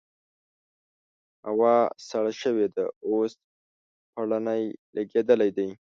هوا سړه شوې ده؛ اوس پېړنی لګېدلی دی.